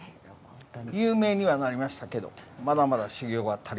有名にはなりましたけどまだまだ修業が足りません。